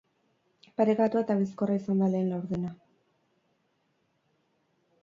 Parekatua eta bizkorra izan da lehen laurdena.